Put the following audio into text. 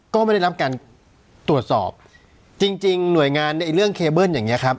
ก็ไม่ได้รับการตรวจสอบจริงจริงหน่วยงานในเรื่องเคเบิ้ลอย่างเงี้ครับ